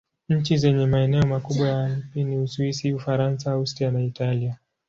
Nchi zenye maeneo makubwa ya Alpi ni Uswisi, Ufaransa, Austria na Italia.